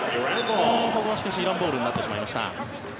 ここはしかし、イランボールになってしまいました。